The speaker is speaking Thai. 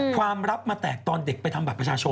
ความรับมาตั้งแต่ตอนเด็กไปทำบัตรภาคผู้ชม